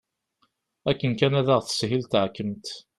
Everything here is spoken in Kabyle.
Akken kan ad aɣ-teshil teɛkemt.